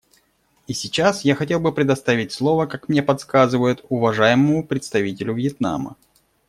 И сейчас я хотел бы предоставить слово, как мне подсказывают, уважаемому представителю Вьетнама.